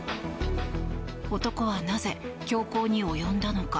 男はなぜ、凶行に及んだのか。